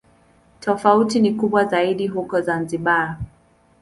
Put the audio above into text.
Tofauti ni kubwa zaidi huko Zanzibar.